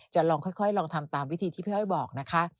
ลองค่อยลองทำตามวิธีที่พี่อ้อยบอกนะคะ